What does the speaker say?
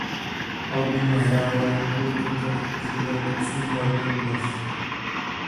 Album nahrála jen kvůli kontraktu s vydavatelstvím Warner Bros.